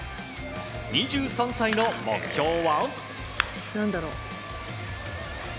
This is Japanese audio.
２３歳の目標は？